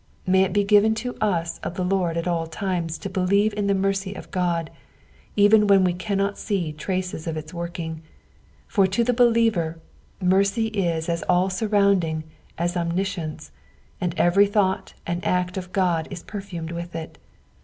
May it be given to us of the Lord Ht all times to believe in the mercy of God, even when we cannot see traces of its working, for to the believer, mercv is as all surrounding ns omnis cience, and every thought and act of Ood is perfumed with it.